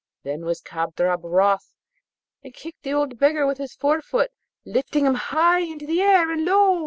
Then was Kadrab wroth, and kicked the old beggar with his fore foot, lifting him high in air, and lo!